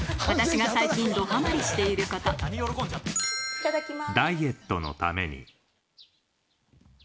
いただきます。